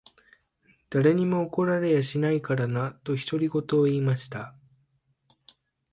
誰にも怒られやしないからな。」と、独り言を言いました。